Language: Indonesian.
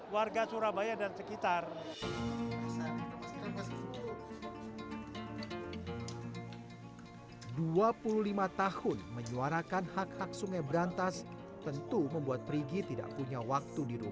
warga surabaya dan sekitar dua puluh lima tahun menyuarakan hak hak sungai berantas tentu membuat perigi tidak